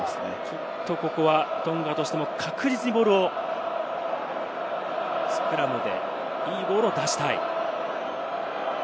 ちょっと、ここはトンガとしても確実にボールをスクラムでいいボールを出したい。